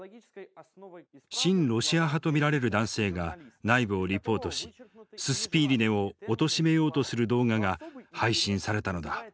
親ロシア派と見られる男性が内部をリポートしススピーリネをおとしめようとする動画が配信されたのだ。